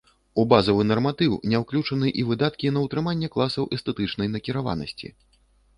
У базавы нарматыў не ўключаны і выдаткі на ўтрыманне класаў эстэтычнай накіраванасці.